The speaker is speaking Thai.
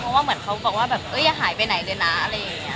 เพราะว่าเหมือนเขาบอกว่าแบบอย่าหายไปไหนเลยนะอะไรอย่างนี้